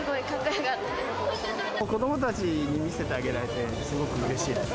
子どもたちに見せてあげられて、すごくうれしいです。